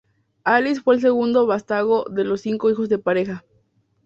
Alice fue el segundo vástago de los cinco hijos de la pareja.